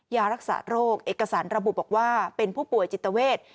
ยารักษาโรคเอกสารระบุบอกว่าเป็นผู้ป่วยจิตเวท